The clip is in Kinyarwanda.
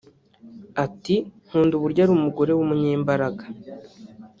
Ati” Nkunda uburyo ari umugore w’umunyembaraga